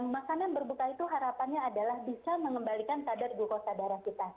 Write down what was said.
makanan berbuka itu harapannya adalah bisa mengembalikan kadar glukosa darah kita